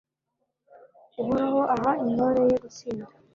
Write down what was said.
uhoraho aha intore ye gutsinda